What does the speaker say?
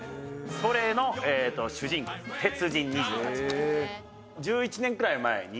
それの主人公鉄人２８号」